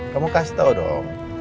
kamu kasih tau dong